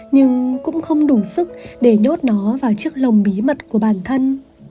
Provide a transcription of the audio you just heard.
nhưng cũng không đủ sức để nhốt nó vào chiếc lồng bí mật của bản thân